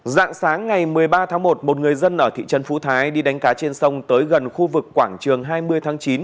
dạng sáng ngày một mươi ba tháng một một người dân ở thị trấn phú thái đi đánh cá trên sông tới gần khu vực quảng trường hai mươi tháng chín